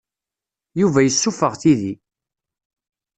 Yuba yessuffeɣ tidi.